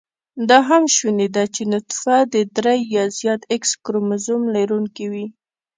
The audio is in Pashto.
دا هم شونې ده چې نطفه د درې يا زیات x کروموزم لرونېکې وي